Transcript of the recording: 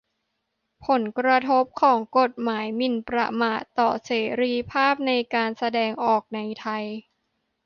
ผลกระทบของกฎหมายหมิ่นประมาทต่อเสรีภาพในการแสดงออกในไทย